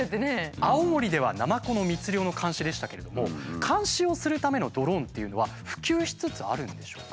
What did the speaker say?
青森ではナマコの密猟の監視でしたけれども監視をするためのドローンっていうのは普及しつつあるんでしょうか？